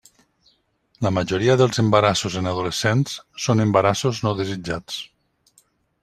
La majoria dels embarassos en adolescents són embarassos no desitjats.